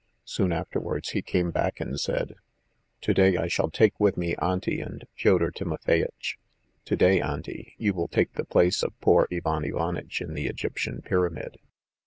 Soon afterwards he came back and said: "To day I shall take with me Auntie and F'yodor Timofeyitch. To day, Auntie, you will take the place of poor Ivan Ivanitch in the 'Egyptian Pyramid.'